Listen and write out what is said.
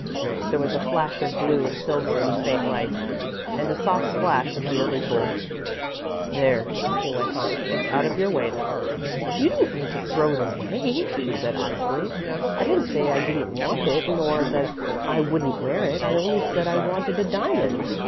There was a flash of blue and silver in the faint light, and a soft splash in the lily pool. "There," he went on, "it's out of your way now." "You didn't need to throw it away," she said, icily. "I didn't say I didn't want it, nor that I wouldn't wear it. I only said I wanted a diamond."